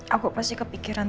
aku pasti kepikiran